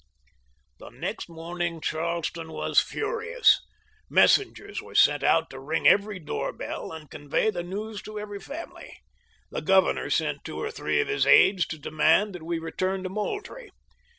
J The next morning Charleston was furious. Messengers wrere sent out to ring every door bell and convey the news to every family. The governor sent two or three of his aides to demand that we return to Moultrie.